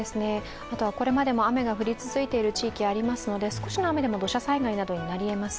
これまでも雨が降り続いている地域がありますので、少しの雨でも土砂災害などになりえます。